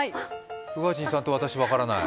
宇賀神さんと私、分からない